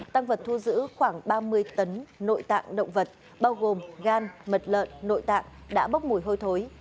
tăng vật thu giữ khoảng ba mươi tấn nội tạng động vật bao gồm gan mật lợn nội tạng đã bốc mùi hôi thối